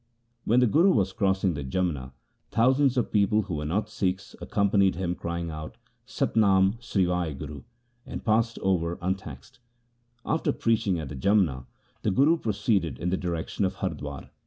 When the Guru was crossing the Jamna, thousands of people who were not Sikhs accompanied him, crying out ' Sat Nam ! Sri Wahguru !' and passed over untaxed. After preaching at the Jamna the Guru proceeded in the direction of Hardwar.